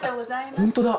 ホントだ。